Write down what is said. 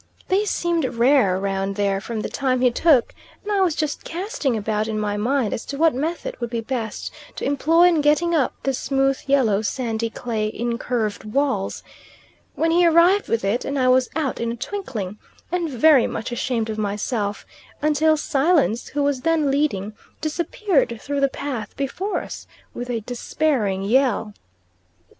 They seemed rare round there from the time he took; and I was just casting about in my mind as to what method would be best to employ in getting up the smooth, yellow, sandy clay, incurved walls, when he arrived with it, and I was out in a twinkling, and very much ashamed of myself, until Silence, who was then leading, disappeared through the path before us with a despairing yell.